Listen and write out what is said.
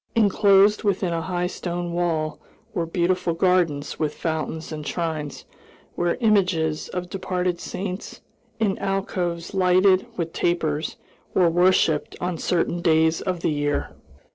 Inclosed within a high stone wall were beautiful gardens with fountains and shrines, where images of departed saints, in alcoves lighted with tapers were worshiped on certain days of the year.